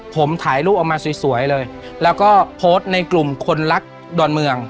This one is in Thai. ผมถ่ายรูปออกมาสวยเลยแล้วก็โพสต์ในกลุ่มคนรักดอนเมือง